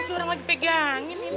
seorang lagi pegangin ini